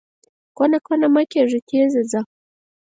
کونه کونه مه کېږه، تېز ځه!